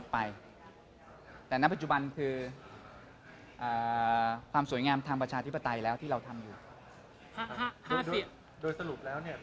เราพูดได้เลยใช่ไหมครับว่าไม่ใช่ทักรวมรัฐบาล